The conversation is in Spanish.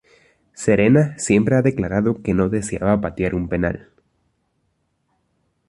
Serena siempre ha declarado que no deseaba patear un penal.